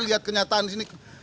lihat kenyataan di sini